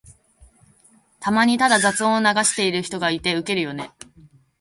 たまにただ雑音を流してる人がいてウケるよね。